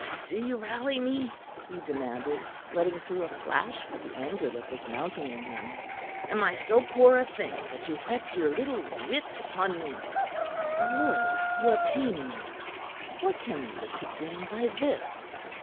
"Do you rally me?" he demanded, letting through a flash of the anger that was mounting in him. "Am I so poor a thing that you whet your little wit upon me?" "My lord, you are paining me. What can you look to gain by this?